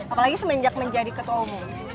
apalagi semenjak menjadi ketua umum